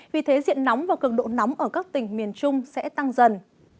vì thế diện nóng và cực độ nóng ở các tỉnh miền trung sẽ tăng dần